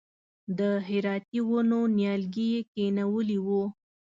د هراتي ونو نیالګي یې کښېنولي و.